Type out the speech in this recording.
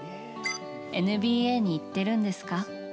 ＮＢＡに行ってるんですか。